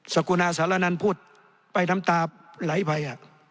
กุณาสารนันพูดไปน้ำตาไหลไป